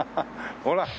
ほら。